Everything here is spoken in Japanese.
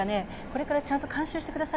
これからちゃんと監修してくださいね。